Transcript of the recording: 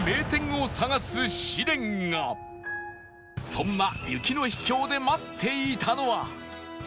そんな雪の秘境で待っていたのは